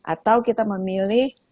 atau kita memilih